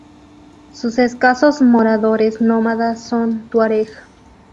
Sus escasos moradores nómadas son tuareg.